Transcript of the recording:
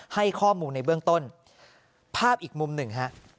ให้ข้อมูลในเบื้องต้นภาพอีกมุมหนึ่งฮะ